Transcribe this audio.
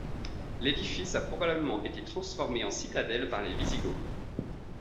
L'édifice a probablement été transformé en citadelle par les Wisigoths.